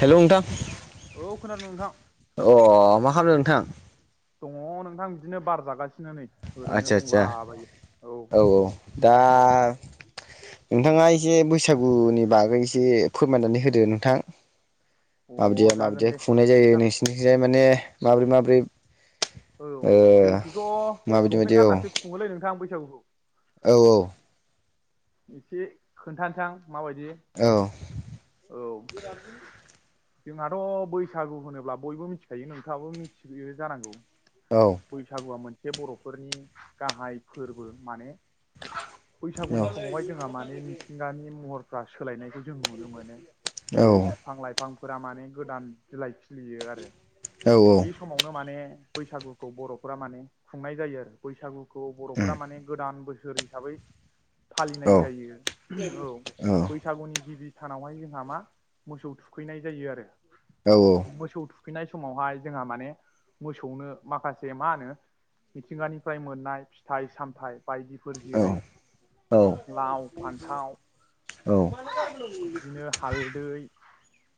Hello नोंथां। औ खोनादों नोंथां। अ मा खालामदों नोंथां? दङ नोंथां बिदिनो बार जागासिनो नै ओरैनो आदसा आदसा दंलाबायो। औ औ दा नोंथाङा एसे बैसागुनि बागै एसे फोरमायनानै होदो नोंथां। औ अ माबिदिया जागोन माबदिया दे खुंनाय जायो नोंथां नोंसिनिखिजाय माने माब्रै माब्रै औ जोंथिथ' माबायदि बायदि लंपेन्ट गाननानैसो खुङोलै नोंथां बैसागुखौ। औ औ। एसे खोन्थानोसां माबायदि। औ। औ [unintelligible] जोंहाथ' बैसागु होनोब्ला बयबो मिथिखायो, नोंथाङाबो मिथियो जानांगौ। औ। बैसागुआ मोनसे बर'फोरनि गाहाय फोरबो माने औ बैसागुनि समावहाय जोंहा माने मिथिंगानि महरफ्रा सोलायनायखौ जों नुनो मोन नो। औ जेरै बिफां लाइफांफोरा माने गोदान बिलाइ खिलियो आरो। औ बे समावनो माने बैसागुखौ बर'फोरा माने खुंनाय जायो आरो। बैसागुखौ उम बर'फ्रा माने गोदान बोसोर हिसाबै फालिनाय औ जायो। औ बैसागुनि गिबि सानावहाय जोंहा मा मोसौ थुखैनाय जायो आरो। औ औ। मोसौ थुखैनाय समावहाय जोंहा माने मोसौनो माखासे मा होनो मिथिंगानिफाय मोननाय फिथाइ सामथायाइ बायदि फोर जेरै लाव, फान्थाव औ। [unintelligible] बिदिनो हालदै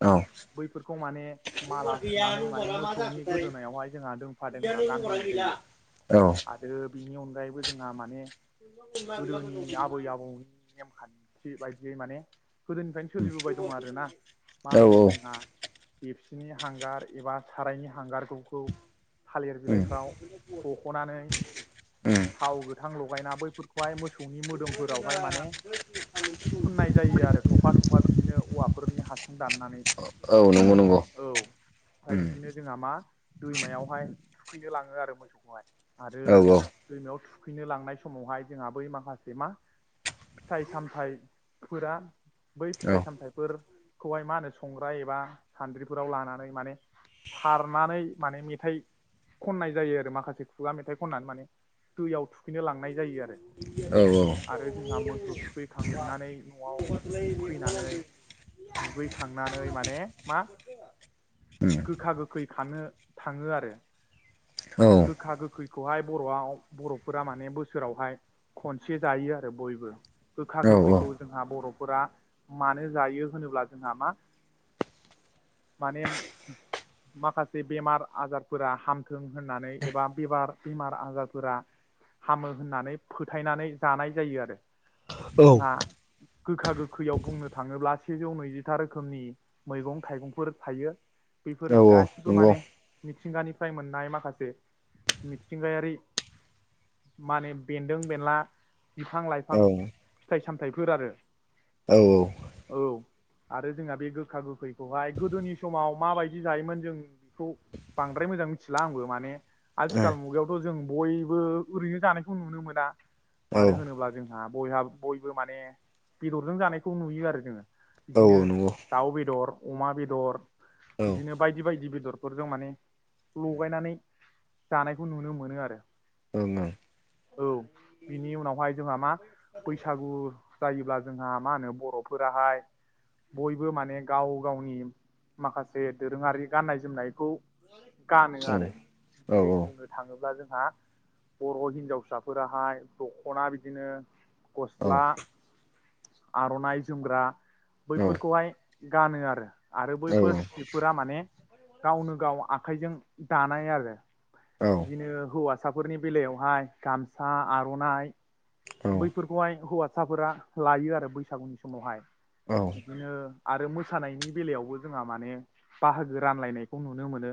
औ। बैफोरखौ माने माला सुनानै माने मोसौनि गोदोनायावहाय जोंहा दोंफा दोंफा गानहोनाय जायो। औ। रो बिनि अनगायैबो जोंहा माने गोदोनि आबै आबौनि नेम खान्थि बायदियै माने गोदोनिफ्रायनो सोलिबोबाय दं आरोना। मा औ होनो उम जोंहा एबसिनि हांगार एबा सारायनि हांगारफोरखौ थालिर बिलाइफ्राव हख'नानै उम थाव गोथां लगायना बैफोरखौहाय मोसौनि मोदोमफोरावहाय माने फुननाय जायो आरो थफा थफा बिदिनो औवाफोरनि हासुं दाननानै। औ नंगौ नंग' औ ओमफ्राय उम। बिदिनो जोंहा मा दैमायावहाय थुखैनो लाङो आरो मोसौखौहाय। आरो औ दैमायाव थुखैनो लांनाय समावहाय जोंहा बै माखासे मा फिथाइ सामथाइ फोरा बै औ फिथाइ सामथाइफोर खौहाय मा होनो संग्रा एबा सानद्रिफोराव लानानै माने सारनानै माने मेथाइ खननाय जायो आरो माखासे खुगा मेथाइ खननानै माने दैयाव थुखैनो लांनाय जायो आरो। औ औ। आरो जोंहा मोसौ थुखैखांनानै न'आव फैनानै दुगैखांनानै माने मा? उम गोखा गोखै खानो थाङो आरो। औ गोखा गोखैखौहाय बर'आव बर'फोरा माने बोसोरावहाय खनसे जायो आरो बयबो गोखा औ गोखैखौ जोंहा बर'फोरा मानो जायो होनोब्ला जोंहा मा माने माखासे बेमार आजारफोरा हामथों होननानै एबा बेबार बेमार आजारफोरा हामो होननानै फोथायनानै जानाय जायो आरो। औ जोंहा गोखा गोखैयाव बुंनो थाङोब्ला सेजौ नैजिथा रोखोमनि मैगं थाइगंफोर थायो। औ बेफोर गासिबो नंगौ माने मिथिंगानिफ्राय मोननाय माखा खासे मिथिंगायारि माने बेन्दों बेनला बिफां औ लाइफां, फिथाइ सामथाइफोर आरो। औ औ। औ, आरो जोंहा बे गोखा गोखैखौहाय गोदोनि समाव माबायदि जायोमोन जों खौ बांद्राय मोजां मिथिला आंबो माने आथिखाल मुगायाव बेखौ‌ जों बयबो ओरैनो जानायखौ नुनो मोना मानो होनोब्ला जों आं बयहा बयबो माने बेदरजों जानायखौ नुयो आरो जोङो औ बिदिनो नंगौ दाउ बेदर अमा बेदर औ इदिनो बायदि बायदि बेदरफोरजों माने लगायनानै जानायखौ नुनो मोनो आरो। ओं ओंं औ बिनि उनावहाय जोंहा मा बैसागु जायोब्ला जोंहा मा होनो बर'फोराहाय बयबो माने गाव गावनि माखासे दोरोङारि गाननाय जोमनायखौ गानो आरो जेरै बुंनो थाङोब्ला जोंहा बर' हिनजावसाफोराहाय दख'ना बिदिनो गस्ला ओं ओं औ आर'नाइ जोमग्रा औ बैफोरखौहाय गानो आरो औ आरो औ बैफोर सिफोरा माने गावनो गाव आखाइजों दानाय आरो औ इदिनो हौवा हौवासाफोरनि बेलायावहाय गामसा आर'नाइ औ बैफोरखौहाय हौवासाफोरा लायो आरो बैसागुनि समावहाय औ बिदिनो आरो मोसानायनि बेलायावबो जोंहा माने बाहागो रानलायनायखौ नुनो मोनो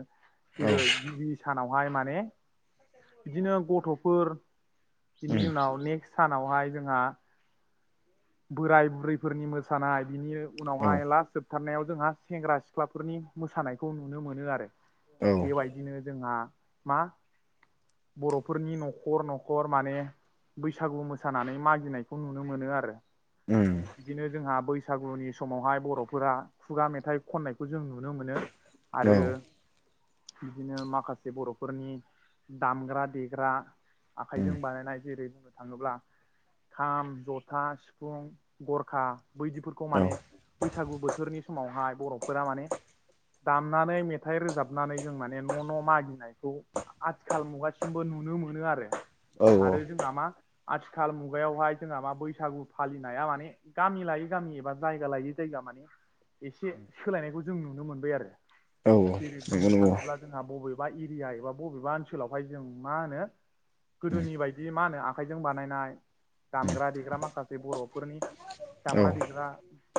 जेरै उम गिबि सानावहाय माने बिदिनो गथ'फोर बिनि औ उनाव नेक्स्ट सानावहाय जोंहा बोराय बुरैफोरनि मोसानाय बिनि औ उम औ उम औ उनावहाय लास्ट जोब बथारनायाव जोंहा सेंग्रा सिख्लाफोरनि मोसानायखौ नुनो मोनो आरो बेबायदि बिदिनो जोंहा मा बर'फोरनि न'खर न'खर माने बैसागु मोसानानै मागिनायखौ नुनो मोनो आरो। उम। बिदिनो जोंहा बैसागुनि समावहाय बर'फोरा खुगा मेथाइ खननायखौ जों नुनो मोनो। आरो बिदिनो माखासे बर'फोरनि दामग्रा देग्रा उम आखाइजों बानायनाय जेरै बुंनो थाङोब्ला खाम जथा सिफुं गरखा बैदिफोरखौ औ माने बैसागु बोथोरनि समावहाय बर'फोरा माने दामनानै मेथाइ रोजाबनानै जों माने न' न' मागिनायखौ आथिखाल मुगासिमबो नुनो मोनो आरो। आरो जोंहा मा आथिखाल मुगायावहाय जोंहा मा बैसागु फालिनाया माने गामि लायै गामि एबा जायगा लायै जायगा माने एसे सोलायनायखौ जों नुनो मोनबाय आरो नंगौ जेरै बुंनो थाङोब्ला जोंहा बबेबा एरिया एबा बबेबा ओनसोलावहाय जों मा होनो गोदोनि बायदि मा होनो आ खाइजों बानायनाय दामग्रा देग्रा माखासे बर'फोरनि दामग्रा देग्रा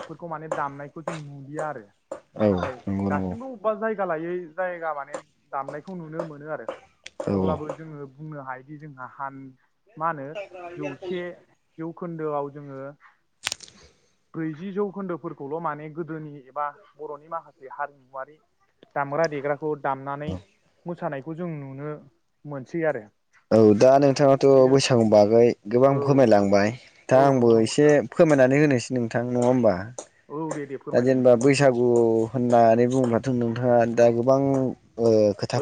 फोरखौ माने दामनायखौ जों नुलिया आरो नाथाय दासिमबो बबेबा जायगा लायै जायगा माने दामनायखौ नुनो मोनो आरो नंगौ औ औ अब्लाबो जोंङो बुंनो हायोदि जोंहा हान मा होनो जौसे जौखोन आव जोङो ब्रैजि जौ खोन्दोफोरखौल' माने गोदोनि बा बर'नि माखासे हारिमुवारि दामग्रा देग्रा खौ दामनानै मोसानायखौ जों नुनो मोनसै आरो। औ दा नोंथाङाथ' बिदिनो बैसागुनि बागै गोबां औ फोरमायलांबाय दा औ आंबो नंगौ नंगौ एसे नोंथां फोरमायनानै होनोसै नोंथां नङा होमबा औ दे दे दा फोरमायलाय जेनेबा नोंथां बैसागु होननानै बुङोब्लाथ' नोंथाङा दा गोबां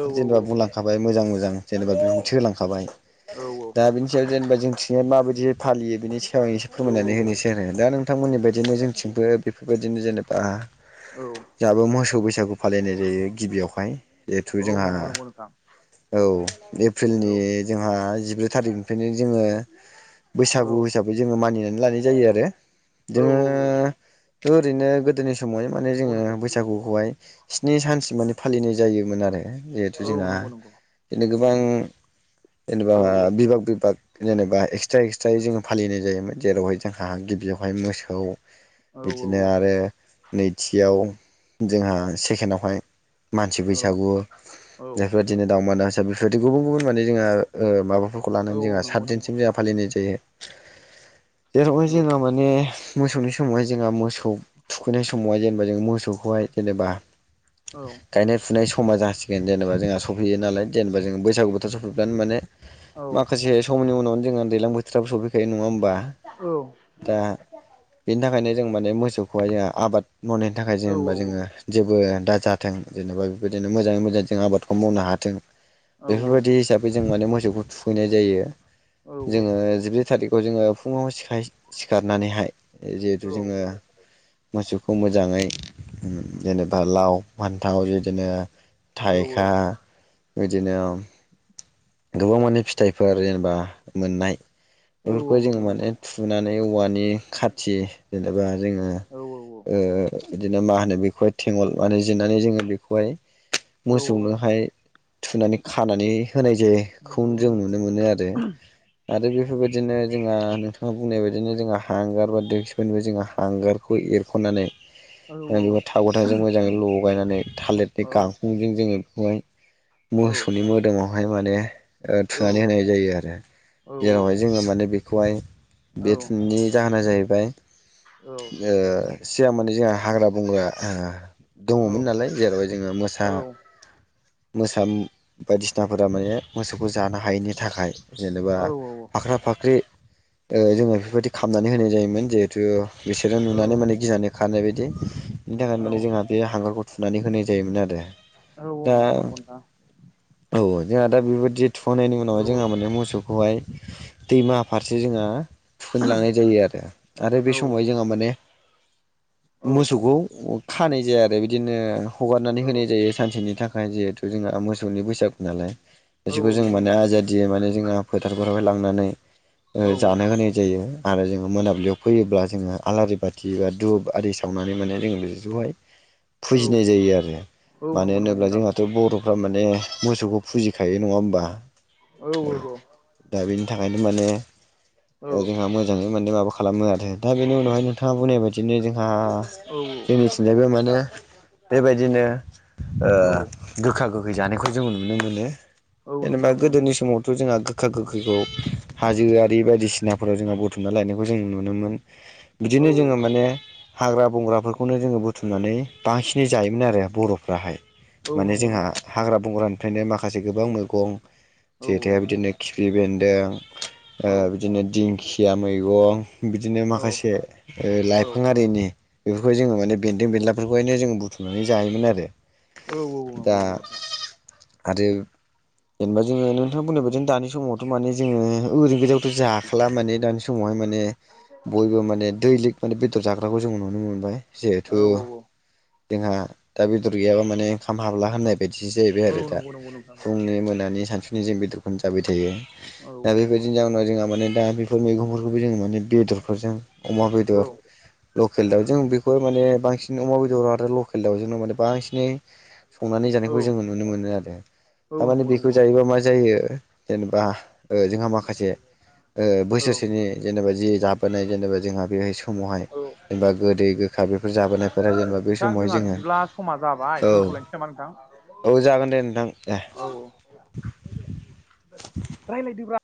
औ ओ औ जेनेबा औ बुंलां खाबाय मोजां मोजां जेनेबा बिबुंथि होलांखाबाय औ दा बिनि [unintelligible] जेनेबा जोंथिंजाय माबायदि फालियो बेनि सायाव आं एसे औ फोरमायनानै होनोसै आरो दा नों नोंथांमोननि बायदिनो जोंथिंबो बेफोरबायदिनो जेनेबा औ जोंहाबो मोसौ बैसागु फालिनाय जायो गिबियावहाय जिहेथु औ जोंहा नंगौ नंगौ नोंथां औ औ एप्रिलनि जोंहा जिब्रै थारिखनिफ्रायनो जोंङो औ बैसागु हिसाब जोंङो मानिनै लानाय जायो आरो औ जोंङो औ ओरैनो गोदोनि समावहाय माने नंगौ जोंङो नंगौ बैसागुखौहाय स्नि सानसिम माने फालिनाय जायोमोन आरो। जिहेथु औ जोंहा नंगौ नंगौ बिदिनो गोबां जेनेबा औ बिभाग बिभाग जेनेबा एक्सट्रा एक्सट्रायै जोंङो फालिनाय जायोमोन जेरावहाय जोंहा गिबियावहाय मोसौ औ बिदिनो आरो नैथियाव जोंहा सेकेणडआवहाय मानसि औ बैसागु औ औ जायफोरदिनो दाउमा दाउसा बेफोरबायदि गुबुन गुबुन माने जोंहा माबाफोर खौ औ लानानै औ जोंहा नंगौ नंगौ सातदिनसिम जोंहा नोंथां फालिनाय जायो जेरावहाय औ जोंहा मा ने मोसौनि समावहाय जोंहा मोसौ थुखैनाय समावहाय जेनेबा जों मोसौखौहाय जेनेबा औ गायनाय फुनाय समा जासिगोन जेनेबा जोंहा सफैयो नालाय जेनेबा जों बैसागु बोथोर सफैबानो माने औ माखासे समनि उनावनो जोंहा दैज्लां बोथोराबो सफैखायो नङा होमबा दा [inaudible] बेनि थाखायनो जों माने मोसौखौहाय जों आबाद मावनायनि थाखाय औ जेनेबा जोंङो जेबो दाजाथों जेनेबा बेबायदिनो मोजाङै मोजां जों आबादखौ मावनो हाथों औ बेफोरबायदि हिसाबै जों माने मोसौखौ थुखैनाय जायो औ जोंङो जिब्रै थारिखाव जोंङो फुंङाव सिखारनानैहाय जिहेथु जोंङो मोसौखौ मोजाङै जेनेबा लाव फान्थाङाव बिदिनो औ औ थाइखा बिदिनो गोबां माने फिथाइफोर जेनेबा मोननाय बेफोरखौ जोंङो नंगौ नंगौ माने नोंथां सुनानै औवानि खाथि जेनेबा जोंङो औ ओ बिदिनो मा होनो बेखौहाय थेंगल मा जिरनानै जोंङो बेखौहाय औ औ मोसौनोहाय थुनानै खानानै होनाय जायोखौ नंगौ जों नंगौ नुनो नंगौ मोनो आरो। आरो बेफोरबायदिनो जोंहा नोंथाङा बुंनाय बायदिनो जोंहा हांगार बा देकसफोरनि जोंहा हांगार खौ एरख'नानै औ थाव गोथांजों मोजाङै लगायनानै औ थालिरनि गांखंजों जोंङो बेखौहाय औ मोसौनि मोदोमावहाय माने औ थुनानै होनाय जायो आरो। औ औ जेरावहाय औ जोंङो माने बेखौहाय बे नंगौ थुननि जाहोना जाहैबाय ओ सिगां माने जोंहा हाग्रा बंग्रा ओ दङमोन नालाय जेरावहाय जोंङो मोसा मोसा बायदिसिनाफोरा माने मोसौखौ जानो हायैनि थाखाय जेनेबा फाख्रा फाख्रि ओ जोङो बेफोरबायदि खालामामनानै होनाय जायोमोन जिहेथु बिसोरो नुनानै माने गिनानै खारनाय बायदि बेनि थाखायनो माने जोंहा बे हांगारखौ थुनानै होनाय जायोमोन आरो औ औ दा नंगौ नंगौ औ जोंहा दा बेबायदि थुखांनायनि औ उनावहा जोंहा माने मोसौ खौहाय दैमा आफादसे जोंहा थुखैनो लांनाय जायोआरो आरो बे औ समाव जोंहा माने औ मोसौखौ खानाय जाया आरो बिदिनो हगारनानै औ होनाय जायो सानसेनि थाखाय जिहेथु जोंहा मोसौनि बैसा गु नालाय बिसोरखौ नंगौ जों नंगौ माने नोंथां आजादि माने जोंहा फोथारफोरावहाय लांनानै औ ओ औ जानो होनाय जायो। आरो जोंङो मोनाबिलियाव फैयोब्ला जोंङो आलारि बाथि बा धुब आरि सावनानै माने जोंङो लिंजोबबाय औ फुजिनाय जायो आरो औ मानो नंगौ नंगौ होनोब्ला नोंथां जोंहाथ' बर'फ्रा माने मोसौखौ फुजिखायो नङा होमबा। औ औ दा बेनि थाखायनो माने जोंहा मो मोजाङै माने माबा खालामो आरो दा बेनि उनावहाय नोंथाङा बुंनाय बायदिनो जोंहा औ औ मिथिनायबो माने बेबायदिनो ओ औ गोखा गोखै जानायखौ जोंङो नुनो मोनो औ नंगौ जेनेबा नंगौ नंगौ गोदोनि समावथ' जोंहा खा गोखैखौ हाजोआरि बायदिसिना फोराव जोंहा बुथुमना लायनायखौ जों नुनो मोन औ बिदिनो जोङो माने हाग्रा बंग्राफोरखौनो जोङो बुथुमनानै बांसिनै जायोमोन आरो बर'फ्राहाय औ माने नंगौ जोंहा नंगौ हाग्रा बंग्रानिफ्रायनो माखासे गोबां मैगं औ जेेथाया बिदिनो खिफि बेन्दों औ ओ बिदिनो दिंखिया मैगं बिदिनो औ माखासे ओ औ लाइफां हारिनि बेफोरखौ जोङो माने बेन्दों बेनलाफोरखौहायनो जों बुथुमनानै जायोमोन आरो औ औ नंगौ दा नोंगौ नोंथां आरो जेनेबा जोङो नोंथाङा बुंनाय बायदि दानि समावथ' माने जोङो ओरै गोजाथ' जाखला माने दानि समावहाय मान माने बयबो माने दैलिग माने बेदर जाग्राखौ जों नुनो मोनबाय जिहेथु औ जोंहा दा बेदर गैयाबा माने ओंखाम हाबला होननाय बायदिसो जाहै औ बायआरो दा नंगौ नंगौ नोंथां फुंनि मोनानि सानसुनि जों बेदरखौनो जाबाय थायो औ दा बेबाय बिनि जनाव जोंहा माने दा बेफोर मैगंफोरखौबो जों माने बेदरफोरजों अमा बेदर औ लकेल दाउजों बेखौ माने बांसिन अमा बेदर आरो लकेल दाउजोंनो माने बांसिनै संनानै औ जानायखौ जोङो नुनो मोनो आरो औ थारमाने नंगौ बेखौ नंगौ नोंथां जायोबा मा मा जायो जेनेबा ओ जोंहा माखासे ओ औ बोसोरसेनि जेनेबा जि जाबोनाय जेनेबा जोंहा बेहाय समावहाय औ जेनेबा गोदै गोखा बेफोर जाबोनाय नोंथां जोंहा बिदिब्ला समा जाबाय औ दोनथ'लायनोसै नामा नोंथां? औ जागोन दे नोंथां दे औ औ रायलायदोब्रा